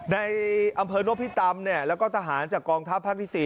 ในอำเภอนพิตำแล้วก็ทหารจากกองทัพภาคที่๔